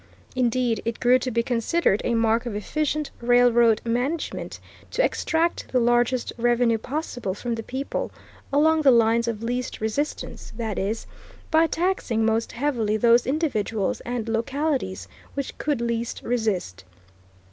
Indeed, it grew to be considered a mark of efficient railroad management to extract the largest revenue possible from the people, along the lines of least resistance; that is, by taxing most heavily those individuals and localities which could least resist.